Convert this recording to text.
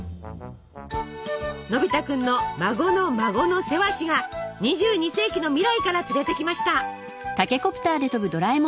のび太くんの孫の孫のセワシが２２世紀の未来から連れてきました。